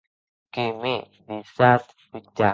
Que m'è deishat portar!